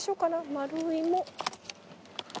丸いも。